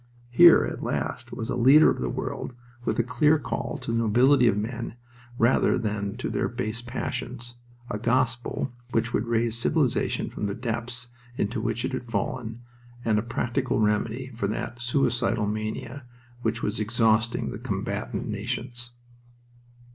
Here at last was a leader of the world, with a clear call to the nobility in men rather than to their base passions, a gospel which would raise civilization from the depths into which it had fallen, and a practical remedy for that suicidal mania which was exhausting the combatant nations.